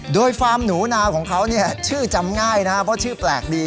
โดยฟาร์มหนูนาของเขาชื่อจำง่ายนะครับเพราะชื่อแปลกดี